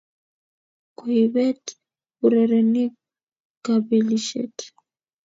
Koibet urerenik kapelishet